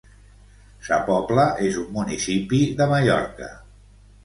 Sa Pobla és un municipi de Mallorca.